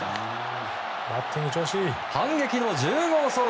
反撃の１０号ソロ！